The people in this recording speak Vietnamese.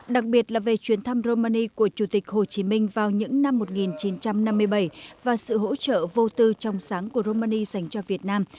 đặc biệt là về chuyến thăm romani của chủ tịch hồ chí minh vào những năm một nghìn chín trăm năm mươi bảy và sự hỗ trợ vô tư trong sáng của romani dành cho việt nam